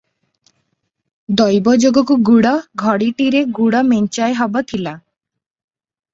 ଦୈବ ଯୋଗକୁଗୁଡ଼ ଘଡ଼ିଟିରେ ଗୁଡ଼ ମେଞ୍ଚାଏହବ ଥିଲା ।